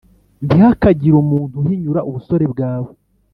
ntihakagire umuntu uhinyura ubusore bwawe